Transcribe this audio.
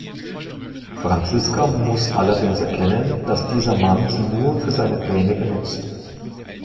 Franziska muss allerdings erkennen, dass dieser Mann sie nur für seine Pläne benutzt.